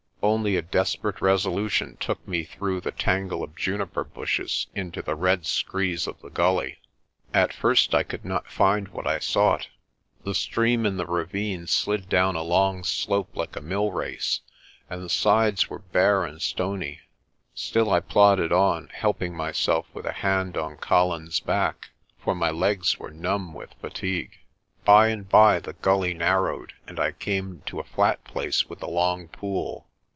Only a des perate resolution took me through the tangle of juniper bushes into the red screes of the gully. At first I could not find what I sought. The stream in the ravine slid down MORNING IN THE BERG 181 a long slope like a mill race, and the sides were bare and stony. Still I plodded on, helping myself with a hand on Colin's back, for my legs were numb with fatigue. By and by the gully narrowed, and I came to a flat place with a long pool.